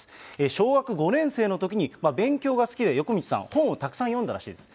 小学５年生のときに、勉強が好きで横道さん、本をたくさん読んだらしいです。